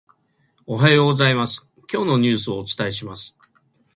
おはようございます、今日のニュースをお伝えします。